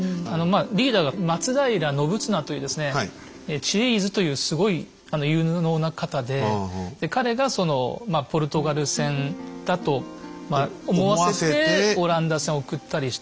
リーダーが松平信綱という「知恵伊豆」というすごい有能な方でで彼がそのポルトガル船だと思わせてオランダ船を送ったりして。